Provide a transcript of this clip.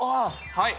はい。